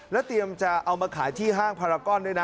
แล้วเตรียมจะเอามาขายที่ห้างพารากอนด้วยนะ